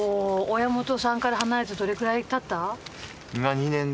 親元さんから離れてどれくらい経った？